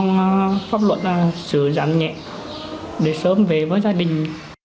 góp luận là sửa giảm nhẹ để sớm về với gia đình